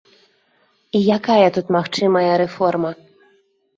І якая тут магчымая рэформа?